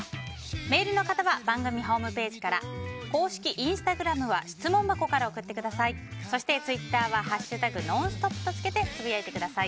メールの方は番組ホームページから公式インスタグラムは質問箱から送ってください。